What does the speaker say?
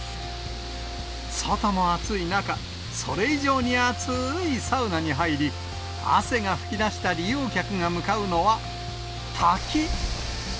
外の暑い中、それ以上に暑ーいサウナに入り、汗が噴き出した利用客が向かうのは、滝。